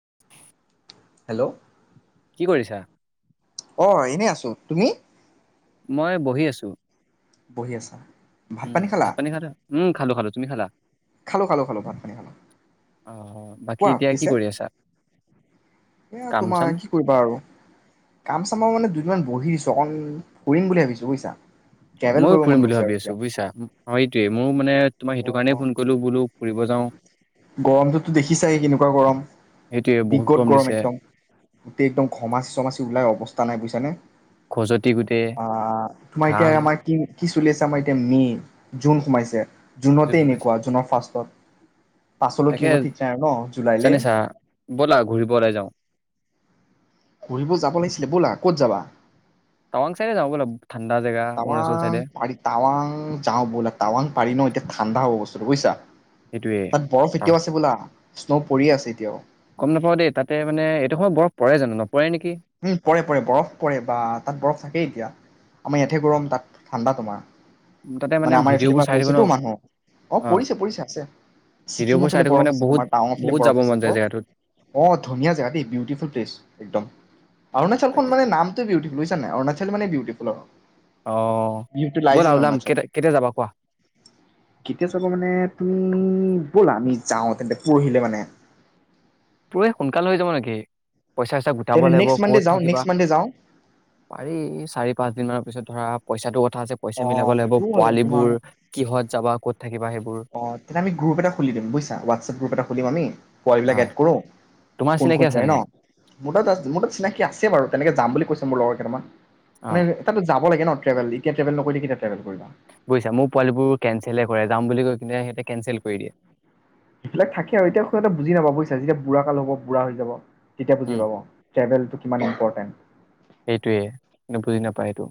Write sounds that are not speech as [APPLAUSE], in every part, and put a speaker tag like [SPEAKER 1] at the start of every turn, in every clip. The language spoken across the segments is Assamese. [SPEAKER 1] [UNINTELLIGIBLE]
[SPEAKER 2] হেল্ল'
[SPEAKER 1] কি কৰিছা
[SPEAKER 2] অ এনে আছো তুমি?
[SPEAKER 1] মই বহি আছো
[SPEAKER 2] বহি আছা ভাত পানী খালা?
[SPEAKER 1] উ খালো খালো তুমি খালা?
[SPEAKER 2] খালো খালো খালো ভাত পানী খালো
[SPEAKER 1] অ', বাকী
[SPEAKER 2] কোৱা
[SPEAKER 1] এতিয়া কি
[SPEAKER 2] পিছে
[SPEAKER 1] কৰি আছা?
[SPEAKER 2] এয়া
[SPEAKER 1] কাম
[SPEAKER 2] তোমাৰ
[SPEAKER 1] চাম?
[SPEAKER 2] অকন ফুৰিম বুলি ভাবিছো বুজিছা ট্ৰেভেল
[SPEAKER 1] ময়ো
[SPEAKER 2] কৰিব
[SPEAKER 1] ফুৰিম
[SPEAKER 2] মন
[SPEAKER 1] বুলি
[SPEAKER 2] গৈছে আৰু
[SPEAKER 1] ভাবি আছো
[SPEAKER 2] এতিয়া
[SPEAKER 1] বুজিছা সটোৱে মোৰ মানে তোমাক
[SPEAKER 2] অ
[SPEAKER 1] সেইটো কাৰণেই ফোন কৰিলো বোলো ফুৰিব যাওঁ।
[SPEAKER 2] গৰমটোতো দেখিছাই কেনেকুৱা গৰম
[SPEAKER 1] সেইটোৱে বহুত
[SPEAKER 2] বিগত গৰম
[SPEAKER 1] দিছে।
[SPEAKER 2] একদম গোটেই একদম ঘমাচি চমাচি ওলাই অৱস্থা নাই বুজো যেনে
[SPEAKER 1] খজতি গোটেই,
[SPEAKER 2] অ তোমাৰ এতিয়া
[SPEAKER 1] ঘাম
[SPEAKER 2] মাই কি কি চলি আছে আমাৰ এতিয়া মে জোন সোমাইছে
[SPEAKER 1] জোন
[SPEAKER 2] জুনতেই
[SPEAKER 1] সোমাইছে।
[SPEAKER 2] এনেকুৱা জুনৰ ফাৰ্ষ্টত পাছলৈ কি
[SPEAKER 1] তাকে
[SPEAKER 2] হ'ব ঠিক নাই আৰু ন জুলাইলে
[SPEAKER 1] জানিছা
[SPEAKER 2] ঘূৰিব যাব লাগিছিলে ব'লা ক'ত যাবা
[SPEAKER 1] টাৱাং চাইডে যাওঁ ব'লা ঠাণ্ডা জেগা অৰুণাচল
[SPEAKER 2] তাৱাং
[SPEAKER 1] চাইডে
[SPEAKER 2] পাৰি াৱাং যাওঁ বোলা াৱাং পাৰি ন এতিয়া ঠাণ্ডা অৱস্থা চৈছা
[SPEAKER 1] সেইটোৱে।
[SPEAKER 2] তাত বৰফ
[SPEAKER 1] আহ,
[SPEAKER 2] এতিয়াও আছে বোলা স্ন' পৰিয়ে আছে এতিয়াও
[SPEAKER 1] গম নাপাওঁ দেই তাতে মানে এইটো সময়ত বৰফ পৰে জানো ন
[SPEAKER 2] উম পৰে পৰে বৰফ পৰে বা তাত বৰফ থাকেই এতিয়া আমাৰ ইয়াতহে গৰম তাত ঠাণ্ডা তোমাৰ
[SPEAKER 1] তাতে
[SPEAKER 2] মানে আমাৰ এইফালে
[SPEAKER 1] ভিডিঅ'বোৰ
[SPEAKER 2] পৰা
[SPEAKER 1] চাই থাকো
[SPEAKER 2] পৰিছেতো
[SPEAKER 1] ন'
[SPEAKER 2] মানুহ আহ
[SPEAKER 1] অ'।
[SPEAKER 2] পৰিছে পৰিছে আছে
[SPEAKER 1] ভিডিঅ'বোৰ
[SPEAKER 2] ছিকিমৰ
[SPEAKER 1] চাই
[SPEAKER 2] ফালে
[SPEAKER 1] থাকো
[SPEAKER 2] বৰফ
[SPEAKER 1] মানে
[SPEAKER 2] আছে
[SPEAKER 1] বহুত
[SPEAKER 2] তোমাৰ টাাৱৰ ফালে
[SPEAKER 1] বহুত
[SPEAKER 2] বৰফ
[SPEAKER 1] যাব
[SPEAKER 2] আছে
[SPEAKER 1] মন যায়
[SPEAKER 2] বৰ
[SPEAKER 1] জেগাটোত
[SPEAKER 2] অ ধুনীয়া জেগা দেই বিউটিফুল প্লেচ একদম
[SPEAKER 1] তাকে।
[SPEAKER 2] অৰুণাচখনান নামটো বিউটিুল বুজছ নাই অণচলানে ডউটিপ ন
[SPEAKER 1] অ ব'লা ওলাম
[SPEAKER 2] ণচল
[SPEAKER 1] কেতিয়া কেতিয়া যাবা কোৱা?
[SPEAKER 2] কেতিয়া চাব মানে তুমি ব'লা আমি যাওঁ তেন্ততে পৰহিলে মানে
[SPEAKER 1] পুৱে সোনকাল হৈ যাব নেকি পইচা চইচা গোটাব
[SPEAKER 2] তেনে
[SPEAKER 1] লাগিব
[SPEAKER 2] নেক্সট মানডে
[SPEAKER 1] ক'ত
[SPEAKER 2] যাওঁ
[SPEAKER 1] থাকিবা
[SPEAKER 2] নেক্সট মানডে যাওঁ
[SPEAKER 1] পাৰি চাৰি পাঁচ দিন মানৰ পিছত ধৰা পইচাটো ক যে পইচা
[SPEAKER 2] অ
[SPEAKER 1] মিলাব লাগিব
[SPEAKER 2] সেইটোও হয় বাৰু তোমাৰ
[SPEAKER 1] পোৱালিবোৰ কিহত যাবা ক'ত থাকিবা সেইব
[SPEAKER 2] অ তেতিয়া আমি গ্ৰুপ এটা খুলি দিম বুজিছা হোৱাটছএপ গ্ৰুপ এটা খুলিম আমি
[SPEAKER 1] অ
[SPEAKER 2] পোৱালিবিলাক এড কৰোঁ
[SPEAKER 1] তোমাৰ
[SPEAKER 2] কোন
[SPEAKER 1] চিনাকি
[SPEAKER 2] কোন
[SPEAKER 1] আছে
[SPEAKER 2] যায় ন
[SPEAKER 1] নাই?
[SPEAKER 2] মোৰ তাত আ মোৰ তাত চিনাকি আছে বাৰু তেনেকে যাম বুলি কৈছে মোৰ লগৰ কেইটামান
[SPEAKER 1] অ
[SPEAKER 2] মানে এ ত যা লাগে ন ট্ৰেভেল কৰিবা
[SPEAKER 1] বুজিছা মোৰ পোৱালিবোৰ কেনচেল হয় কৰে যাম বুলি কৈ কিনে সিহঁতে কেনচেল কৰি দিয়ে
[SPEAKER 2] সেইবিলাকে থাকে আৰু এতিয়া সিহঁতে বুজি নাপাব বুজিছা যেতিয়া বুঢ়া কাল হ'ব বুঢ়া হৈ যাব তেতিয়া বুজি
[SPEAKER 1] উম
[SPEAKER 2] পাব ট্ৰেভেলটো কিমান ইম্পৰ্টেণ্ট
[SPEAKER 1] সেইটোৱে কিন্তু বুজি নাপায় সেইটো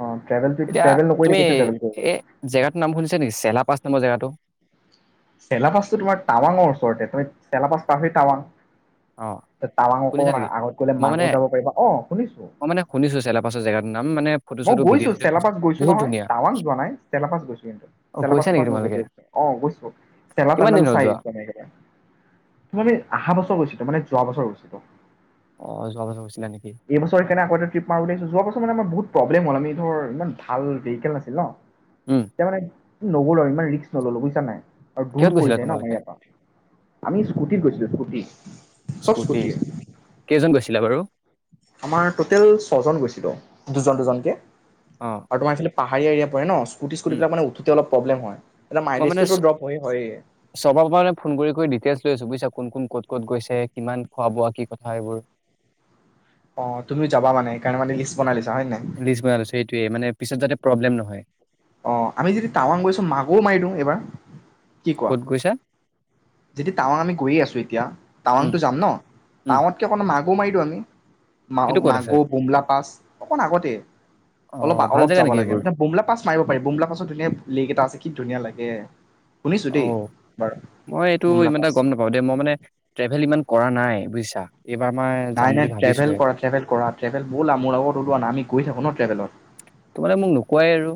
[SPEAKER 2] অ ট্ৰেভেলটো এইটো
[SPEAKER 1] এতিয়া
[SPEAKER 2] ট্ৰেভেল নকৰিলে
[SPEAKER 1] তুমি
[SPEAKER 2] কেতিয়া ট্ৰেভেল কৰিবা
[SPEAKER 1] এই জেগাটোৰ নাম শুনিছা নেকি চেলা পাচ নামৰ জেগাটো
[SPEAKER 2] চেলাবাচটো তোমাৰ টাৱাঙৰ ওচৰতে তুমি চেলাবাছ পাৰহৈ টাৱাঙ
[SPEAKER 1] অ
[SPEAKER 2] টাৱাঙ
[SPEAKER 1] শুনিছা
[SPEAKER 2] অকমান
[SPEAKER 1] নেকি?
[SPEAKER 2] আগত গলে
[SPEAKER 1] মই মানে
[SPEAKER 2] মাকো যাব পাৰিবা অ শুনিছো
[SPEAKER 1] মই মানে শুনিছো চেলাপাছৰ জেগাটোৰ নাম মানে ফটো
[SPEAKER 2] মই
[SPEAKER 1] চটো
[SPEAKER 2] গৈছো
[SPEAKER 1] ভিডিঅ' চিডিঅ' পাইছো
[SPEAKER 2] চেলাপাছ গৈছো
[SPEAKER 1] বহুত
[SPEAKER 2] নহয়
[SPEAKER 1] ধুনীয়া
[SPEAKER 2] টাৱাং যোৱা নাই চেলাপাছ গৈছো কিন্তু
[SPEAKER 1] অ গৈছা
[SPEAKER 2] চেলাপাছৰ
[SPEAKER 1] নেকি
[SPEAKER 2] পৰাই উভতি
[SPEAKER 1] তোমালোকে
[SPEAKER 2] আহিছোঁ অ গৈছো চেলা
[SPEAKER 1] কিমান
[SPEAKER 2] পেনেল
[SPEAKER 1] দিন হ'ল
[SPEAKER 2] চাই
[SPEAKER 1] যোৱা
[SPEAKER 2] তেনেকে মই মানে অহা বছৰ গৈছো মানে যোৱা বছৰ গৈছিলো
[SPEAKER 1] অ যোৱা বছৰ গৈছিলা নেকি
[SPEAKER 2] এইবছৰ কেনে আকৌ এটা ট্ৰিপ মাৰো বুলিছোঁ যোৱা বছৰ মানে আমাৰ বহুত প্ৰব্লেম হ'ল আমি ধৰ ইমান ভাল ভেৰিকেল নাছিল ন
[SPEAKER 1] উম
[SPEAKER 2] তে মান নগলো আৰু ইমান ৰিস্ক নললোঁ বুজিছা নে নাই আৰু দূৰ
[SPEAKER 1] কিহত গৈছিলা
[SPEAKER 2] পৰিলে ন আমাৰ
[SPEAKER 1] তোমালোকে
[SPEAKER 2] ইয়াৰ পৰা আমি স্কুটিত গৈছিলো স্কুটিত
[SPEAKER 1] স্কুটি কেইজন গৈছিলে বাৰু
[SPEAKER 2] আমাৰ টটেল ছয়জন গৈছিলো দুজন দুজনকে
[SPEAKER 1] অ
[SPEAKER 2] আৰু তোমাৰ আছিলে পাহাৰীয়া এৰিয়া পৰে ন
[SPEAKER 1] উম
[SPEAKER 2] স্কুটি মানে উঠতে অলপ প্ৰব্লেম হয় এতিয়া
[SPEAKER 1] মই মানে
[SPEAKER 2] মাইলেজটোতো ড্ৰপ হয়ে হয়ে
[SPEAKER 1] চব মানে ফোন কৰি কৰি ডিটেইলছ লৈ আছো বুজিছা কোন কোন ক'ত ক'ত গৈছে কিমান খোৱা বোৱা কি কথা এইবোৰ
[SPEAKER 2] অ তুমি যাবা মানে সেইকাৰণে লিষ্ট বনাই লৈছা হয় নে নাই?
[SPEAKER 1] লিচ বনালো সেইটোৱে মানে পিছত যাতে প্ৰব্লেম নহয়
[SPEAKER 2] অ আমি যদি টাৱাং গৈছো মাগুৰ মাৰি দিওঁ এইবাৰ
[SPEAKER 1] ক'ত গৈছো
[SPEAKER 2] যিতি টাৱাং আমি কৰি আছো এতিয়া
[SPEAKER 1] উম
[SPEAKER 2] টাৱাংতটো যাম ন
[SPEAKER 1] উম
[SPEAKER 2] টাৱতকে মাক বোমাইটো আমি মা
[SPEAKER 1] সেইটো ক'ত আছে
[SPEAKER 2] মাগুৰ বুমলা পাছ অকণ আগতে
[SPEAKER 1] অ
[SPEAKER 2] অলপ
[SPEAKER 1] ভাল
[SPEAKER 2] অলপ
[SPEAKER 1] জেগা
[SPEAKER 2] যাব
[SPEAKER 1] নেকি
[SPEAKER 2] লাগে
[SPEAKER 1] এইবোৰ
[SPEAKER 2] মানে বুমলা পাছ মাৰিব পাৰি বুমলা পাছৰ ধুনীয়া লেক এটা আছে কি ধুনীয়া লাগে শুনিছোঁ দেই বাৰু
[SPEAKER 1] তো
[SPEAKER 2] বুমলা
[SPEAKER 1] ইমান এটা
[SPEAKER 2] পাছ
[SPEAKER 1] গম নাপাও দেই মই মানে ট্ৰেভেল ইমান কৰা নাই বুইছা
[SPEAKER 2] নাই নাই ট্ৰেভেল কৰা ট্ৰেভেল কৰা ট্ৰেভেল ব'লা মোৰ লগত ওলোৱা। আমি গৈ থাকো ন ট্ৰেভেলত
[SPEAKER 1] কয় আৰু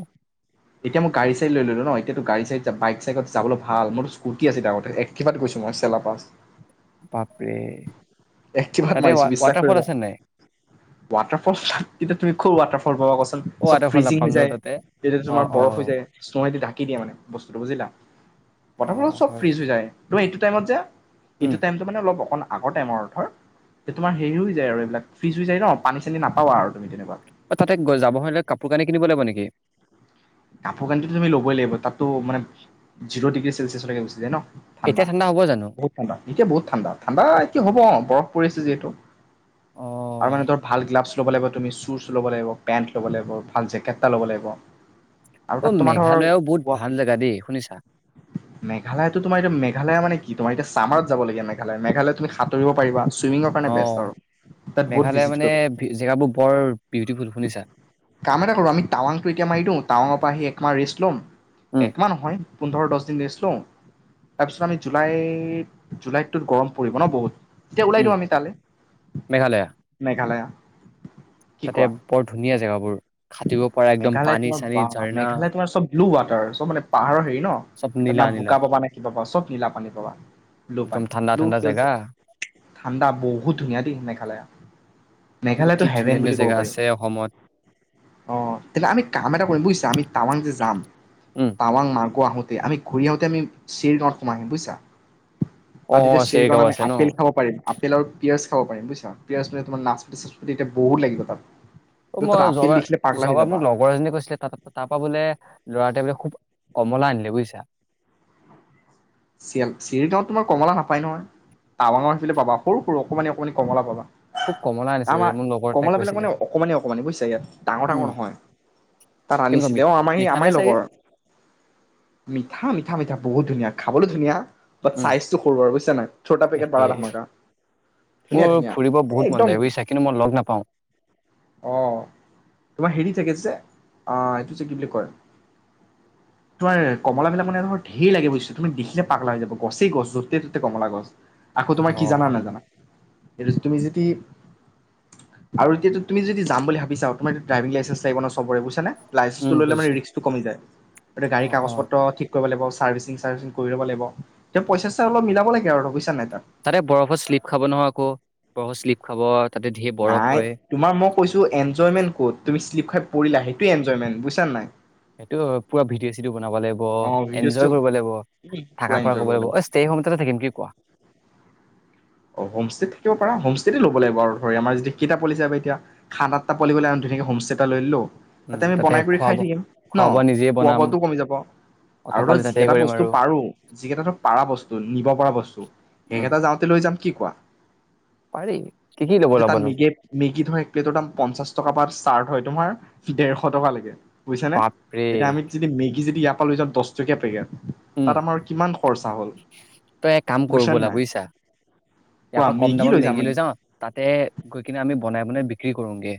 [SPEAKER 2] এতিয়া মই গাড়ী চাই লৈ ললো ন। এতিয়া গাড়ী চাই, বাইক চাইকত যাবলৈ ভাল। মোৰতো স্কুটি আছে গাঁৱতে একেপাত গৈছো মই চেলা পাছ
[SPEAKER 1] পাপ
[SPEAKER 2] একেবাত মাৰিছো বিশ্বাস
[SPEAKER 1] ৱাটাৰফল
[SPEAKER 2] কৰিবা।
[SPEAKER 1] আছে নাই
[SPEAKER 2] ৱাটাৰফল তেতিয়া তুমি খুব ৱাটাৰফল পাবা কচোন।
[SPEAKER 1] অ
[SPEAKER 2] চব
[SPEAKER 1] ৱাটাৰফল
[SPEAKER 2] ফ্ৰিজি
[SPEAKER 1] নাপাম
[SPEAKER 2] হৈ
[SPEAKER 1] ন
[SPEAKER 2] যায়
[SPEAKER 1] তাতে
[SPEAKER 2] তেতিয়া
[SPEAKER 1] অ
[SPEAKER 2] তোমাৰ
[SPEAKER 1] অ
[SPEAKER 2] বৰফ হৈ যায়। কি দিয়া মানে বস্তুটো বুজিলা
[SPEAKER 1] অ
[SPEAKER 2] প্ৰথমবোৰ চব
[SPEAKER 1] হয়
[SPEAKER 2] ফ্ৰিজ
[SPEAKER 1] বাৰু।
[SPEAKER 2] হৈ যায়। তো এই টাইমত যে
[SPEAKER 1] উম
[SPEAKER 2] এইটো টাইমতটো মানে অলপ অকণ আগৰ টাইমৰ অৰ্থ। তোমাৰ হেৰি হৈ যায় আৰু এইবিলাক ফ্ৰিজ হৈ যায় ন পানী চানী নাপাৱা আৰু তুমি তেনেকুৱা
[SPEAKER 1] তাতে যাব হলে কাপোৰ কানি কিনিব লাগিব নেকি
[SPEAKER 2] কাপোৰ কানিটো তুমি ল'বই লাগিব তাতো মানে জিৰ' ডিগ্ৰী চেলচিয়াছলৈকে গুচি যায় ন ঠাণ্ডা
[SPEAKER 1] এতিয়া হ'ব জানো
[SPEAKER 2] বহুত ঠাণ্ডা এতিয়া বহুত ঠাণ্ডা ঠাণ্ডা কি হ'ব বৰফ পৰিছে যিহেতু।
[SPEAKER 1] অ
[SPEAKER 2] আৰু মানে ধৰ ভাল গ্লাভছ ল'ব লাগিব তুমি শুজ লব লাগিব পেন্ট ল'ব লাগিব ভাল জেকেট লব লাগিব আৰু
[SPEAKER 1] অ
[SPEAKER 2] তাত তোমাৰ ধৰ।
[SPEAKER 1] মেঘালয়ও বহুত ভাল জেগা দেই শুনিছা
[SPEAKER 2] মেঘালয়তো তোমাৰ মেঘালয় মানে কি তোমাৰ এতিয়া ছামাৰত যাবলগীয়া মেঘালয়। মেঘালয়ত তুমি সাতুৰিব পাৰিবা। চুইমিঙৰ কাৰণে
[SPEAKER 1] অ
[SPEAKER 2] বেষ্ট আৰু তাত বহুত
[SPEAKER 1] মেঘালয়
[SPEAKER 2] ভিজিট
[SPEAKER 1] মানে
[SPEAKER 2] কৰিব পাৰিবা।
[SPEAKER 1] জেগাবোৰ বৰ বিউটিফুল শুনিছা
[SPEAKER 2] কাম এটা কৰো আমি টাৱাংতটো এতিয়া মাৰি দিও টাৱাঙৰ পৰা আহি তোমাৰ ৰেষ্ট লম
[SPEAKER 1] উম
[SPEAKER 2] একমাহ নহয় পোন্ধৰ দছ দিন ৰেষ্ট লও। তাৰপিছত আমি জুলাইত জুলাইতটো গৰম পৰিব ন বহুত এতিয়া ওলাই
[SPEAKER 1] উম
[SPEAKER 2] দিওঁ আমি
[SPEAKER 1] মেঘালয়া
[SPEAKER 2] তালেমেঘালয়া।
[SPEAKER 1] তাতে বৰ ধুনীয়া জেগাবোৰ। সাতুৰিব পৰা একদম পানী চানী ঝাৰণা
[SPEAKER 2] লু ৱাটাৰ চ মানে পাহাৰৰ হেৰি ন না
[SPEAKER 1] নীলা নীলা
[SPEAKER 2] বোকাব মানে কিবা পাচত নীলাপানী পাবা ব্লু
[SPEAKER 1] একদম
[SPEAKER 2] পানী
[SPEAKER 1] ঠাণ্ডা
[SPEAKER 2] ব্লু
[SPEAKER 1] ঠাণ্ডা জেগা
[SPEAKER 2] সেউজীয়া ঠাণ্ডা বহুত ধুনীয়া দেই মেঘালয়
[SPEAKER 1] এইবোৰ
[SPEAKER 2] মেঘালয়টো
[SPEAKER 1] কি
[SPEAKER 2] হেভেন
[SPEAKER 1] ধুনীয়া
[SPEAKER 2] বুলি
[SPEAKER 1] ধুনীয়া
[SPEAKER 2] কব
[SPEAKER 1] জেগা
[SPEAKER 2] পাৰি
[SPEAKER 1] আছে অসমত
[SPEAKER 2] অ তেনেহলে আমি কাম এটা কৰিম বুজিছা আমি টাৱাং যে যাম
[SPEAKER 1] উম
[SPEAKER 2] টাৱাং মাৰ গ আহোতে আমি ঘূৰি আহোতে আমি চিৰিঙত সোমাই বুজিছা
[SPEAKER 1] অ
[SPEAKER 2] তাত এতিয়া চিৰিকন
[SPEAKER 1] চেৰগাঁও
[SPEAKER 2] আমি
[SPEAKER 1] আছে ন
[SPEAKER 2] আপেল খাব পাৰিম আপেল আৰু পিয়াঁজ খাব পাৰিব বুজিছা পিয়াজ জানে তোমাৰ নাচপতি নাচপতি এতিয়া বহুত লাগিব তাত
[SPEAKER 1] অ
[SPEAKER 2] তাত
[SPEAKER 1] মই
[SPEAKER 2] আপেল
[SPEAKER 1] যোৱাবাৰ
[SPEAKER 2] দেখিলে পাগলা হৈ
[SPEAKER 1] যোৱাবাৰ
[SPEAKER 2] যাবা
[SPEAKER 1] মোক লগৰ এজনীয়ে কৈছিলে ত তাৰপৰা বোলে লৰাটোৱ বোলে খুব কমলা আনিলে বুজিছা
[SPEAKER 2] চ চিৰিগাঁৱত তোমাৰ কমলা নাপায় নহয় টাৱাঙত আহিলে পাবা সৰু সৰু অকণমানি অকণমানি কমলা পাবা
[SPEAKER 1] খুব কমলা আনিছে
[SPEAKER 2] আমাৰ
[SPEAKER 1] বোলে মোৰ লগৰ এটাই
[SPEAKER 2] কমলাবিলাক
[SPEAKER 1] কৈছিলে
[SPEAKER 2] মানে অকমানে অকমানে বুজিছা ইয়াত ডাঙৰ ডাঙৰ
[SPEAKER 1] উম
[SPEAKER 2] নহয় তাত
[SPEAKER 1] কেনেকুৱা
[SPEAKER 2] আনিছিলে
[SPEAKER 1] মি
[SPEAKER 2] অ আমাৰ
[SPEAKER 1] মিঠা
[SPEAKER 2] আমাৰ
[SPEAKER 1] নে চাগে
[SPEAKER 2] লগৰ মিঠা মিঠা মিঠা বহুত ধুনীয়া খাবলৈ ধুনীয়া বাট
[SPEAKER 1] উম
[SPEAKER 2] চাইজটো সৰু ব আৰু বুজিছা নাই চটা পেকেট
[SPEAKER 1] এ
[SPEAKER 2] বা ধমকা ধুনীয়া
[SPEAKER 1] মোৰ
[SPEAKER 2] ধুনীয়া
[SPEAKER 1] ফুৰিব বহুত মন
[SPEAKER 2] একদম
[SPEAKER 1] যায় বুজিছা কিন্তু মই লগ নাপাওঁ
[SPEAKER 2] অ তোমাৰ হেৰি থাকে যে অ এইটো যে কি বুলি কয় তোমাৰ কমলাবিলাক মানে ধেৰ লাগে বুজিছ তুমি দেখিলে পাগলা হৈ যাব গছেই গছ য'তে ত'তে কমলা গছ আকৌ তোমাৰ
[SPEAKER 1] অ
[SPEAKER 2] কি জানা নাজানা এইটো তুমি যদি আৰু এতিটো তুমি যদি যাম বুলি ভাবিচা তোমাৰ যদি ড্ৰাইভিং লাইচেঞ্চ লাগিব সবৰে বুজিছেনে নাই লাইচেঞ্চটো
[SPEAKER 1] উম
[SPEAKER 2] ললে মানে
[SPEAKER 1] বুজিছো
[SPEAKER 2] ৰিক্সটো কমি যায় গতিকে
[SPEAKER 1] অ
[SPEAKER 2] গাড়ী
[SPEAKER 1] অ
[SPEAKER 2] কাগজ পত্ৰ ঠিক কৰিব লাগিব চাৰ্ভিচিং চাৰ্ভেচিং কৰি লব লাগিব পইচা অলপ মিলাব লাগে আৰু নাই তাত
[SPEAKER 1] তাতে বৰফত শ্লিপ খাব নহয় আকৌ বৰফৰ শ্লিপ খাব তাতে ধেৰ বৰফ
[SPEAKER 2] নাই
[SPEAKER 1] হয়
[SPEAKER 2] তোমাৰ মই কৈছো এনজয়মেন্ট ক'ত তুমি শ্লিপ খাই পৰিলা সেইটো এনজয়মেণ্ট বুজিছানে নাই
[SPEAKER 1] এইটো পৰা ভিডিঅ' চিডিঅ বনাব লাগিব
[SPEAKER 2] অ ভিডিঅ'
[SPEAKER 1] এনজয়
[SPEAKER 2] চিডিঅ'
[SPEAKER 1] কৰিব লাগিব
[SPEAKER 2] তুমি পুৰা
[SPEAKER 1] থাক খুৰা
[SPEAKER 2] এনজয়
[SPEAKER 1] কব
[SPEAKER 2] কৰিব
[SPEAKER 1] লাগিব অ ষ্টে হোম ততে থাকিম কি কোৱা
[SPEAKER 2] অ হোমষ্টে থাকিব পাৰা হোমষ্টেতে ল'ব লাগিব আৰু ধৰি আমাৰ যদি কেইটা পি য বা এতিয়া খান আট্টা পলিবলৈ আ ধুনাকে হোমষ্টে এটা লৈ লও [UNINTELLIGIBLE]
[SPEAKER 1] উম
[SPEAKER 2] তাতে আমি বনাই কৰি
[SPEAKER 1] খোৱা
[SPEAKER 2] খাই
[SPEAKER 1] বোৱা
[SPEAKER 2] থাকিম ন
[SPEAKER 1] খোৱা বোৱা নিজে
[SPEAKER 2] খোৱা
[SPEAKER 1] বনাম
[SPEAKER 2] বোৱাটো কমি যাব
[SPEAKER 1] অট
[SPEAKER 2] আৰু ধৰ
[SPEAKER 1] পালি তাতে
[SPEAKER 2] যিকেইটা
[SPEAKER 1] কৰিম
[SPEAKER 2] বস্তু
[SPEAKER 1] আৰু
[SPEAKER 2] পাৰো যিকেইটা পাৰা বস্তু নিব পৰা বস্তু
[SPEAKER 1] উম
[SPEAKER 2] সেইকেইটা যাওঁতে লৈ যাম কি কোৱা।
[SPEAKER 1] পাৰি কি কি ল'ব
[SPEAKER 2] এতিয়া তাত
[SPEAKER 1] ল'বনো
[SPEAKER 2] মেগ মেগিত এক প্লেটৰ দাম পঞ্চাশ টকা পা ষ্টাৰ্ট হয়। তোমাৰ ডেৰশ টকা লৈকে। বুইছা নে
[SPEAKER 1] বাপৰে
[SPEAKER 2] এতিয়া আমি যদি মেগি। কি যদি ইয়াৰ পৰা লৈ যা দহটকীয়া পেকেট।
[SPEAKER 1] উম
[SPEAKER 2] তাত আমাৰ কিমান খৰচা হ'ল
[SPEAKER 1] তই এক কাম কৰো
[SPEAKER 2] বুইছানে
[SPEAKER 1] ব'লা
[SPEAKER 2] নাই।
[SPEAKER 1] বুজিছা ইয়াৰ
[SPEAKER 2] কোৱা
[SPEAKER 1] পৰা কম দামত
[SPEAKER 2] যাম
[SPEAKER 1] মেগী লৈ
[SPEAKER 2] আমি
[SPEAKER 1] যাওঁ তাতে গৈ কিনে আমি। বনাই বনাই বিক্ৰী কৰোঁঙগে।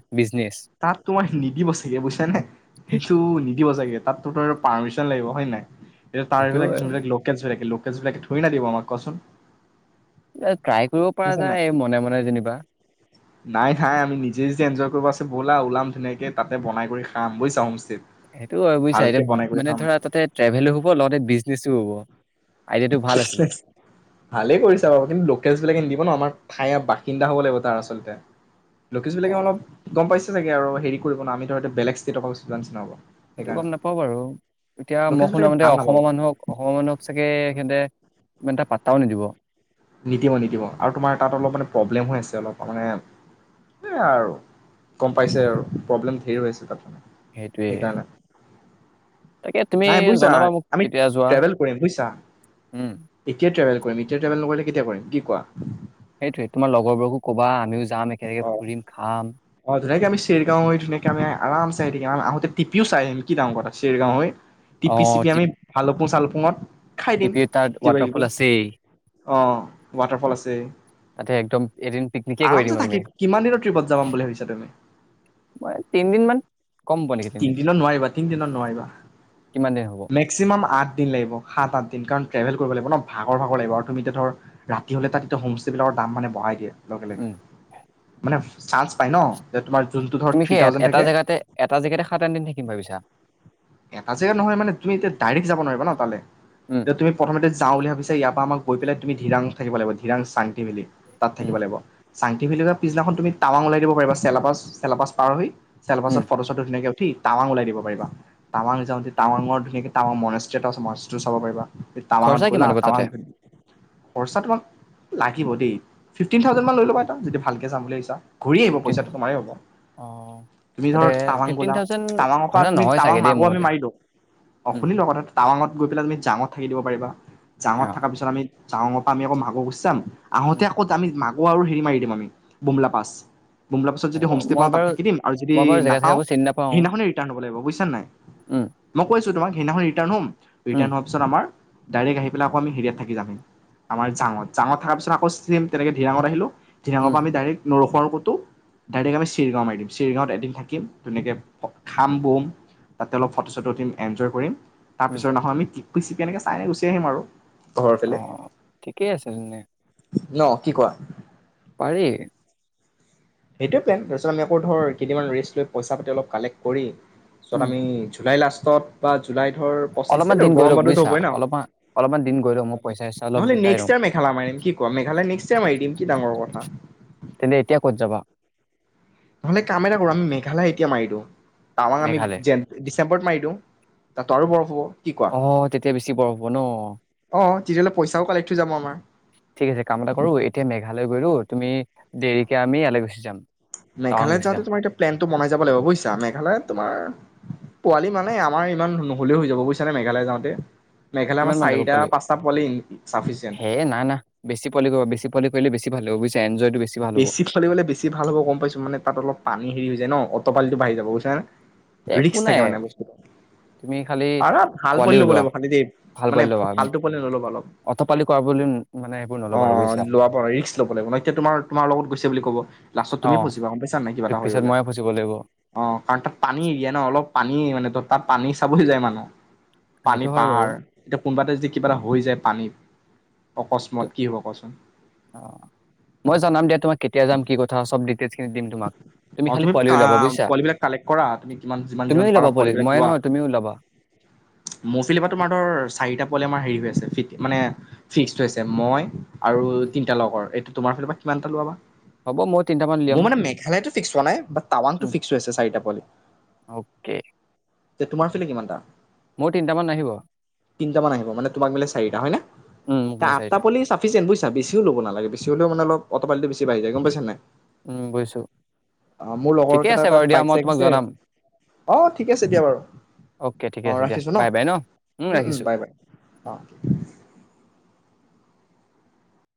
[SPEAKER 2] তাত তোমাৰ নিদিব চাগে বুজছানে সেইটো নিদিব চাগে তাততো তাৰ পাৰ্মিশন লাগিব হয় নাই এতিয়া
[SPEAKER 1] সেইটো
[SPEAKER 2] তাৰবিলাক যোনবিলাক লোকেল লো [UNINTELLIGIBLE] বিলাকে থৰিনা দিব আমাক কোৱাচোন?
[SPEAKER 1] ট্ৰাই কৰিব পৰা
[SPEAKER 2] বুজিছা নাই?
[SPEAKER 1] যায় এই মনে মনে যেনিবা।
[SPEAKER 2] নাই নাই আমি নিজে যদি এনজয় কৰিব আছে ব'লা ওলাম ধুনীয়াকে তাতে বনাই কৰি খাম বুইচা হোম
[SPEAKER 1] সেইটোও আৰু বুজিছা এতিয়া মানে ধৰা তাতে ট্ৰেভেলো হ'ব লগতে বি নেচো হ'ব। আইডিয়াটো ভাল আছিলে
[SPEAKER 2] ভালে কৰিছা বাৰু কিন্তু লোকেলচ বিলাকে নিদিব ন আমাৰ ঠাইৰে বাসিন্দা হ'ব লাগিব তাৰ আচলতে লুকেলছ
[SPEAKER 1] অ
[SPEAKER 2] বিলাকে অলপ গম পাইছে চাগে আৰু হেৰি কৰিব ন আমি ত এতিয়া বেলেগ ষ্টেটৰক নিচিনা হব।
[SPEAKER 1] সেইটো গম
[SPEAKER 2] সেইকাৰণে
[SPEAKER 1] নাপাওঁ বাৰু এতিয়া
[SPEAKER 2] লোকেলছ
[SPEAKER 1] মই
[SPEAKER 2] বিলাকে
[SPEAKER 1] শুনামতে
[SPEAKER 2] ভাল নাপাব।
[SPEAKER 1] অসমৰ মানুহক অসমৰ মানুহক চাগে সিহঁতে ইমান এটা পাতাও নিদিব।
[SPEAKER 2] নিদিব নিদিব আৰু তোমাৰ তাত অলপ মানে প্ৰব্লেম হৈ আছে অলপ মানে সেই আৰু। গম পাইছে আৰু প্ৰব্লেম হেৰুৱাইছে তাক।
[SPEAKER 1] সেইটোৱে। তাকে তুমি
[SPEAKER 2] নাই বুজিছা
[SPEAKER 1] জনাবা মোক
[SPEAKER 2] আমি
[SPEAKER 1] কেতিয়া যোৱা
[SPEAKER 2] ট্ৰেভেল কৰিম বুজিছা
[SPEAKER 1] উম,
[SPEAKER 2] এতিয়া ট্ৰেভেল কৰিম এতিয়া ট্ৰেভেল নকৰিলে কেতিয়া কৰিম কি কোৱা?
[SPEAKER 1] সেইটোৱে তোমাৰ লগৰবোৰকো ক'বা আমি যাম একেলগে
[SPEAKER 2] অ
[SPEAKER 1] ফুৰিম খাম।
[SPEAKER 2] অ ধুনীয়াকে আমি চেৰগাও হৈ ধুনীয়াকে আমি আৰামচে আহি থাকিম আৰু আহোঁতে তিপিও চাই আহিম কি ডাঙৰ কথা চেৰগাও হৈ টিপি চিপি আমি ভাল চালফুঙত
[SPEAKER 1] টিপি তাত ৱাটাৰফল আছেই।
[SPEAKER 2] অঁ ৱাটাৰফল আছে।
[SPEAKER 1] তাতে একদম এদিন পিকনিকে কৰি
[SPEAKER 2] আৰামছে
[SPEAKER 1] দিম আমি।
[SPEAKER 2] থাকিম কিমান দিনৰ ট্ৰিপত যাম বুলি ভাবিছা তুমি
[SPEAKER 1] মই তিনিদিনমান
[SPEAKER 2] তিনদিনত নোৱাৰিবা তিনদিনত নোৱাৰিবা
[SPEAKER 1] কিমান দিন হ'ব?
[SPEAKER 2] মেক্সিমাম আঠা দিন লাগিব সাত আঠদিন কাৰণ ট্ৰেভেল কৰিব লাগিব ন ভাগৰ ভাগৰ লাগিব আৰু তুমি এতিয়া ধৰ ৰাতি হ'লে তাত কিন্তু হোমষ্টেবিলাকৰ দাম মানে বঢ়াই দিয়ে। লগে লগে
[SPEAKER 1] উম,
[SPEAKER 2] মানে চান্স পাই ন, যে তোমাৰ যোনটো ধৰ
[SPEAKER 1] তুমি
[SPEAKER 2] থ্ৰী
[SPEAKER 1] কি
[SPEAKER 2] থাউজেণ্ড
[SPEAKER 1] এটা
[SPEAKER 2] থাকে
[SPEAKER 1] জেগাতে, এটা জেগাতে সাত, আঠ দিন থাকিম ভাবিছা?
[SPEAKER 2] এটা জেগা নহয় মানে তুমি এতিয়া ডাইৰেক্ট যাব নোৱাৰিবা ন তালে।
[SPEAKER 1] উম,
[SPEAKER 2] এতিয়া তুমি প্ৰথমতে যাওঁ বুলি ভাবিছা ইয়াপা মাক গৈ পেলাই তুমি ধিৰাঙত থাকিব লাগিব। ধিৰাং চাং ভেলি। তাত থাকিব
[SPEAKER 1] উম।
[SPEAKER 2] লাগিব। চাংটি ভেলীপা পিছদিনা তুমি টাৱাং ওলাই দিব পাৰিবা। চেলাপাচ-চেলাপাচ পাৰ হৈ চেলাপাচত
[SPEAKER 1] উম,
[SPEAKER 2] ফটো-চটো ধুনীয়াকে ঠি টাৱাং ওলাই দিব পাৰিবা। টাৱাং যাওঁতে টাৱাংৰ ধুনীয়াকৈ টাৱাং মনেষ্টি এটা মনেষ্টি চাব পাৰা। টাৱাঙত
[SPEAKER 1] খৰচা
[SPEAKER 2] গ'লা
[SPEAKER 1] কিমান হ'ব
[SPEAKER 2] টাৱাং
[SPEAKER 1] তাতে?
[SPEAKER 2] খৰচা তোমাক লাগিব দেই। ফিফটিন থাউজেন মান লৈ লবা এটা, যদি ভালকে যাম বুলি ভাবিছা। ঘূৰি আহিব
[SPEAKER 1] ফিফটিন
[SPEAKER 2] পইচাটো
[SPEAKER 1] থাউজেণ্ড
[SPEAKER 2] তোমাৰে হব।
[SPEAKER 1] অ'।
[SPEAKER 2] তুমি
[SPEAKER 1] তাতে
[SPEAKER 2] ধৰ টাৱাং
[SPEAKER 1] ফিফটিন
[SPEAKER 2] গলা,
[SPEAKER 1] থাউজেণ্ড
[SPEAKER 2] টাৱাঙৰ পৰা
[SPEAKER 1] খৰচা
[SPEAKER 2] তুমি
[SPEAKER 1] নহয়
[SPEAKER 2] টাৱাং
[SPEAKER 1] চাগে
[SPEAKER 2] মা
[SPEAKER 1] দেই
[SPEAKER 2] আকৌ
[SPEAKER 1] মোৰ
[SPEAKER 2] আমি
[SPEAKER 1] মতে।
[SPEAKER 2] মাৰি লওঁ। অ
[SPEAKER 1] উম,
[SPEAKER 2] শুনি ল কথাটো টাৱাঙত গৈ পেলাই তুমি জাঙত থাকি দিব পাৰিবা। জাঙত
[SPEAKER 1] অ'
[SPEAKER 2] থকা পিছত আমি চাঙৰ পৰা আমি আকৌ মাকৌ গুচি চাম। আহোতে
[SPEAKER 1] উম।
[SPEAKER 2] আকৌত আমি মাক আকৌ আৰু হেৰি মাৰি দিম আমি, বোমলা-পাছ। বোমলা-পাছত
[SPEAKER 1] হ'ব
[SPEAKER 2] যদি হোমষ্টে
[SPEAKER 1] মই
[SPEAKER 2] পাওঁ,
[SPEAKER 1] বাৰু
[SPEAKER 2] তাত থাকি দিম আৰু যদি
[SPEAKER 1] মই বাৰু জেগা
[SPEAKER 2] নাপাওঁ
[SPEAKER 1] চেগাবোৰ
[SPEAKER 2] সেইদিনাখনে ৰিটাৰ্ণ হবা লাগিব বুজিচাই নাই?
[SPEAKER 1] উ।
[SPEAKER 2] মই কৈছোঁ তোমাক সেইদিনাখন ৰিটাৰ্ণ হম। ৰিটাৰ্ণ হোৱাপিছত আমাৰ ডাইৰেক্ আহি পেলাই আকৌ আমি হেৰিয়াত থাকি যামহি, আমাৰ জাৱত। জাৱত থকাৰ পিছত আকৌ চেম তেনেকে ধিৰাঙত আহিলো। ধিৰাঙৰ
[SPEAKER 1] উম,
[SPEAKER 2] পৰা আমি ডাইৰেক্ নৰ বৰকটো ডাইৰেক্ আমি চিৰিগাঁও মাৰি দিম। চিৰিগাঁৱত এদিন থাকিম ধুনীয়াকে খাম বম তাতে অলপ ফটো-চটো উঠিম এনজয় কৰিম। তাৰ
[SPEAKER 1] উম,
[SPEAKER 2] পিছৰ নহয় আমি পিচিক এনেকে চাই গুচি আহিম আৰু। ঘৰৰ ফালে
[SPEAKER 1] অ', ঠিকেই আছিল নে?
[SPEAKER 2] ন, কি কোঁৱা?
[SPEAKER 1] পাৰি।
[SPEAKER 2] সেইটোৱে প্লেন, তাৰছত আমি আকৌ ধৰ কেইদিনমান ৰেষ্ট লৈ পইচা-পাতি অলপ কালেক্ট কৰি জত
[SPEAKER 1] উম
[SPEAKER 2] আমি জুলাই লাষ্ট তত তাত জুলাইত। ধৰ পঁচিছ
[SPEAKER 1] অলপমান
[SPEAKER 2] তাৰি
[SPEAKER 1] দিন গৈ
[SPEAKER 2] গৰম
[SPEAKER 1] লওক
[SPEAKER 2] বন্ধতো
[SPEAKER 1] বুজিছা
[SPEAKER 2] হবই ন?
[SPEAKER 1] অলপমান অলপমান দিন গৈ লওক মই পইচা চইচা অলপ
[SPEAKER 2] নহ'লে
[SPEAKER 1] গোটাই
[SPEAKER 2] নেক্সট
[SPEAKER 1] লওঁ
[SPEAKER 2] ইয়াৰ মেঘালা মাৰিম কি কোৱা? মেঘেলায় নেক্সট ইয়াৰ মাৰি দিম কি ডাঙৰ কথ। [UNINTELLIGIBLE]
[SPEAKER 1] তেন্তে এতিয়া ক'ত যাবা
[SPEAKER 2] নহলে কাম এটা কৰো আম মেঘালয় এতিয়া মাৰি দিওঁ। তাৱাং আমি
[SPEAKER 1] মেঘালয়
[SPEAKER 2] যেন, দিছ চেম্পত মাৰি দিওঁ তাতটো আৰু বৰফ হ'ব। কি কোৱা
[SPEAKER 1] অ তেতিয়া বেছি বৰফ হ'ব ন।
[SPEAKER 2] অ তেতিয়াহ'লে পইচাও কালেক্ট হৈ যাব আমাৰ।
[SPEAKER 1] ঠিক আছে কাম এটা কৰোঁ, এতিয়া মেঘালয় গৈ দিওঁ, তুমি দেৰিকৈ আমি ইয়ালে গুচি যাম। টাৱাং
[SPEAKER 2] মেঘালয়ত
[SPEAKER 1] গুচি
[SPEAKER 2] যাওঁতে
[SPEAKER 1] যাম
[SPEAKER 2] তোমাৰ এটা প্লেনটো বনাই যাব লাগিব বুজিছা। মেঘালয়ত তোমাৰ পোৱালি মানে আমাৰ ইমান নহ'লেও হৈ যাব বুজিছানে মেঘালয় যাওঁতে। মেঘালয়
[SPEAKER 1] কিমান
[SPEAKER 2] আমাৰ
[SPEAKER 1] মান যাব
[SPEAKER 2] চাৰিটা
[SPEAKER 1] পোৱালি।
[SPEAKER 2] পাঁচটা পোৱালি চাফিচিয়েণ্ট
[SPEAKER 1] হে না না বেছি পোৱালি কৰিব বেছি পোৱালি কৰিলে বেছি ভাল লাগিব বুইছা। এঞ্জয়।
[SPEAKER 2] বেছি পোৱালি হলে বেছি ভাল হ'ব গম পাইছো, মানে তাত অলপ পানী হেৰি হৈ যায় ন, অটপালিটো বাঢ়ি যাব বুইছানে?
[SPEAKER 1] একো
[SPEAKER 2] ৰিক্ম থাকে
[SPEAKER 1] নাই
[SPEAKER 2] মানে বস্তুটো।
[SPEAKER 1] তুমি খালি
[SPEAKER 2] আৰু ভাল পোৱালি ল'ব লাগিব খালী দেই মানে ফালতু পোৱালি নল'বা অলপ।
[SPEAKER 1] অতপালি কৰা পোৱালি, মানে সেইবোৰ
[SPEAKER 2] অ
[SPEAKER 1] নলবা আৰু বুজিছা।
[SPEAKER 2] লোৱা পৰা ৰিস্ক ল'ব লাগিব ন এতিয়া তোমাৰ তোমাৰ লগত গৈছে বুলি ক'ব, লাষ্টত
[SPEAKER 1] অ
[SPEAKER 2] তুমি ফচিবা গম পাইছা নাই কিবা এটা হৈ
[SPEAKER 1] পিছত
[SPEAKER 2] গ'লে।
[SPEAKER 1] ময়ে ফচিব লাগিব
[SPEAKER 2] অ কাৰণ তাত পানী এৰিয়া ন, অলপ পানীয়ে মানে তাত তাত পানী চাবলৈ যায় মানুহ। পানী
[SPEAKER 1] সেইটো হয় বাৰু
[SPEAKER 2] পাহাৰ এতিয়া কোনবা এটা যদি কিবা এটা হৈ যায় পানীত। অকস্মত কি হ'ব কচোন?
[SPEAKER 1] অ মই জনাম দে তোমাক কেতিয়া যাম কি কথা চব দিটেইলছ খি
[SPEAKER 2] অ তুমি কা পোৱালিবিলাক কালেক্ট কৰা তুমি কিমান যিমান
[SPEAKER 1] তুমিও
[SPEAKER 2] যিমান পাৰা
[SPEAKER 1] ওলাবা পোৱালি
[SPEAKER 2] পোৱালিবিলাক
[SPEAKER 1] ময়ে
[SPEAKER 2] লোৱা।
[SPEAKER 1] নহয় তুমিও ওলাবা।
[SPEAKER 2] মোৰ ফিলি পা তোমাৰ ধৰ চাৰিটা পোৱালি আমাৰ হেৰি হৈ আছে। ফিত মানে ফিক্স হৈছে। মই- আৰু
[SPEAKER 1] উম,
[SPEAKER 2] তিনিটা লগৰ, এইটো। তোমাৰ ফালৰ পৰা কিমানটা লোৱা বা?
[SPEAKER 1] হ'ব ময়ো তিনিটামান উলিয়াম।
[SPEAKER 2] ইটো ফিক্স হোৱা নাই বাত টাৱাংটো
[SPEAKER 1] উম
[SPEAKER 2] ফিক্স হৈ আছে চাৰিটা পোৱালি।
[SPEAKER 1] অ'কে
[SPEAKER 2] তে তোমাৰ ফিলে কিমানটা?
[SPEAKER 1] মোৰ তিনিটামান আহিব
[SPEAKER 2] তিনটা মান আহিব মানে তোমাক মিলাই চাৰিটা হয় নে?
[SPEAKER 1] উম মোক
[SPEAKER 2] তে
[SPEAKER 1] মানে
[SPEAKER 2] আঠটা
[SPEAKER 1] চাৰিটা।
[SPEAKER 2] পোৱালি চাফিচিয়েণ্ট বুইছা। বেছিও লব নালাগে। বেছি হ'লেও মানে অলপ অট পালিটো বেছি বাঢ়ি যায় গম পাইছা নাই?
[SPEAKER 1] উম বুজিছোঁ।
[SPEAKER 2] অ মোৰ লগৰ কেটা তাত বাইক
[SPEAKER 1] মই
[SPEAKER 2] চাইক
[SPEAKER 1] তোমাক
[SPEAKER 2] আছে।
[SPEAKER 1] জনাম
[SPEAKER 2] অ ঠিকে আছে দিয়া বাৰু।
[SPEAKER 1] অ'কে ঠিকে
[SPEAKER 2] অ
[SPEAKER 1] আছে দিয়া
[SPEAKER 2] ৰাখিছো ন।
[SPEAKER 1] বাই বাই
[SPEAKER 2] উম
[SPEAKER 1] ৰাখিছো।
[SPEAKER 2] উম বাই বাই অ।